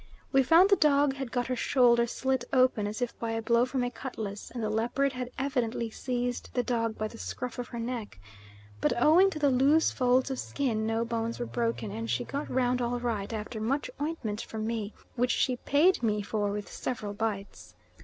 We found the dog had got her shoulder slit open as if by a blow from a cutlass, and the leopard had evidently seized the dog by the scruff of her neck, but owing to the loose folds of skin no bones were broken and she got round all right after much ointment from me, which she paid me for with several bites.